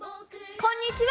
こんにちは！